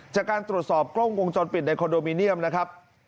จากการตรวจสอบกล้องวงจรปิดในคอนโดมิเนียมนะครับ